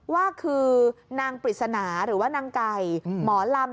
ว่าคือนางปริศนาหรือว่านางไก่หมอลำ